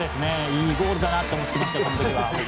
いいゴールだなと思って。